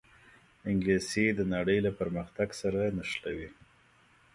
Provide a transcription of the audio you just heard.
انګلیسي د نړۍ له پرمختګ سره نښلوي